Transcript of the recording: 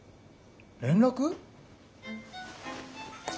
連絡？